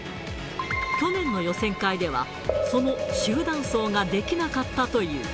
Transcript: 去年の予選会では、その集団走ができなかったという。